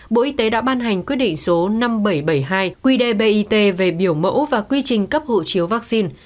bộ y tế đã ban hành quyết định số năm nghìn bảy trăm bảy mươi hai quy đề bit về biểu mẫu và quy trình cấp hộ chiếu vaccine